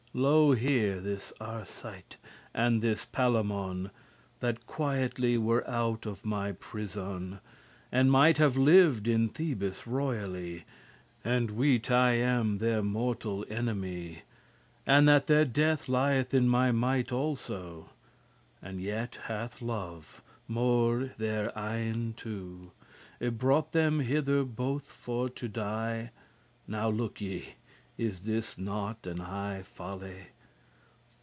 Lo here this Arcite, and this Palamon, That quietly were out of my prison, And might have lived in Thebes royally, And weet* I am their mortal enemy, *knew And that their death li'th in my might also, And yet hath love, *maugre their eyen two*, *in spite of their eyes* Y brought them hither bothe for to die. Now look ye, is not this an high folly?